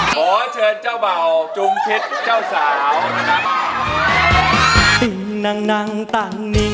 ขอเชิญเจ้าเบาจุงชิดเจ้าสาว